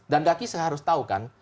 dan daki seharus tahu kan